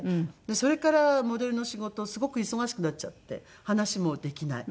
それからモデルの仕事すごく忙しくなっちゃって話もできない。